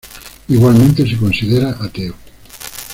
Igualmente se considera ateo.